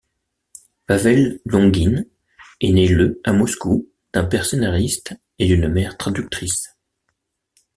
Pavel Lounguine est né le à Moscou, d'un père scénariste et d'une mère traductrice.